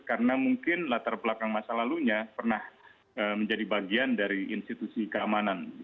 karena mungkin latar belakang masa lalunya pernah menjadi bagian dari institusi keamanan